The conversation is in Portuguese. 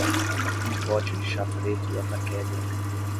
um pote de chá preto da Takeda